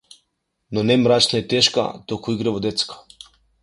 Но не мрачна и тешка, туку игриво детска.